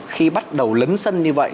khi bắt đầu lấn sân như vậy